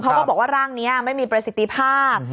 เขาก็บอกว่าร่างนี้ไม่มีประสิทธิภาพ